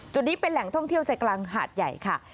นี้เป็นแหล่งท่องเที่ยวใจกลางหาดใหญ่ค่ะ